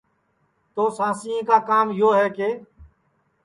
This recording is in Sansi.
تو سانسیں کا کام یو ہے کہ